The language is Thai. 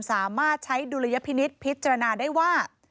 สามารถใช้ดุลยพินิษฐ์พิจารณาได้ว่า